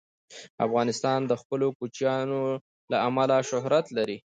افغانستان د خپلو کوچیانو له امله شهرت لري.